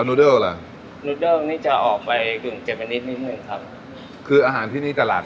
ใช่ครับถูกต้องครับ